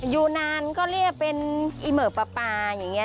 ยูนานก็เรียกเป็นอิเมอร์ปาปาอย่างนี้